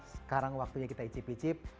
sekarang waktunya kita icip icip